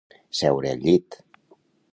Seure al llit.